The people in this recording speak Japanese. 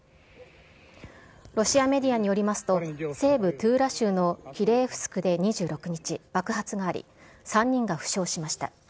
ロシアメディアによりますと、西部トゥーラ州のキレエフスクで２６日爆発があり、３人が負傷しました。